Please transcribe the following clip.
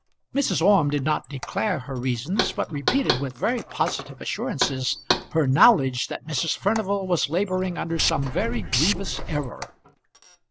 Mrs. Orme did not declare her reasons, but repeated with very positive assurances her knowledge that Mrs. Furnival was labouring under some very grievous error.